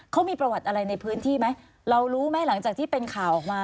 เขามีประวัติอะไรในพื้นที่ไหมเรารู้ไหมหลังจากที่เป็นข่าวออกมา